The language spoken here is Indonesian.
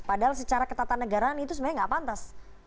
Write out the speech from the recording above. padahal secara ketatanegaraan itu sebenarnya nggak pantas